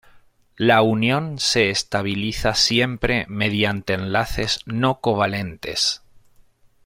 La unión se estabiliza siempre mediante enlaces no covalentes.